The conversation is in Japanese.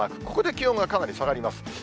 ここで気温がかなり下がります。